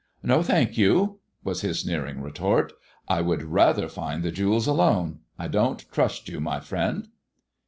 "No, thank you," was his sneering retort, "I wodd rather find the jewels alone ; I don't trust you, my friend."